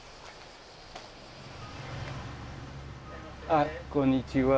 あっこんにちは。